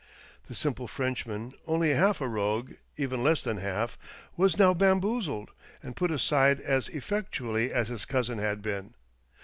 The simple Frenchman, only half a rogue — even less than half — was now bamboozled and put aside as effectually as his cousin had been.